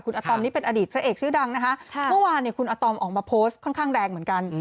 อาตอมนี่เป็นอดีตพระเอกชื่อดังนะคะเมื่อวานเนี่ยคุณอาตอมออกมาโพสต์ค่อนข้างแรงเหมือนกัน